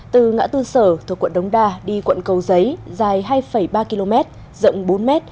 từ ngã tư sở thuộc quận đống đa đi quận cầu giấy dài hai ba km rộng bốn m